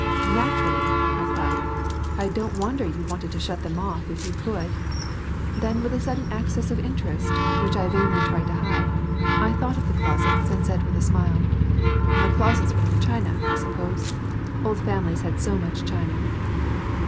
"Naturally," I cried, "I don't wonder you wanted to shut them off if you could." Then with a sudden access of interest which I vainly tried to hide, I thought of the closets and said with a smile, "The closets were for china, I suppose; old families have so much china."